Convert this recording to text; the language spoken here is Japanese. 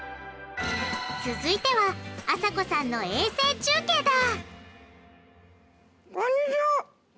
続いてはあさこさんの衛星中継だ！